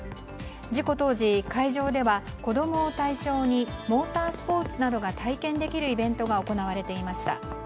事故当時、会場では子供を対象にモータースポーツなどが体験できるイベントが行われていました。